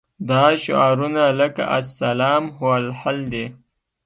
دا شعارونه لکه الاسلام هو الحل دي.